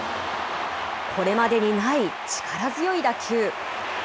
これまでにない力強い打球。